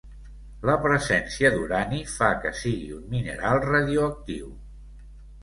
La presència d'urani fa que sigui un mineral radioactiu.